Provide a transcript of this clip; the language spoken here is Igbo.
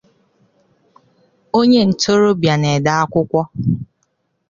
onye ntorobịa na-ede akwụkwọ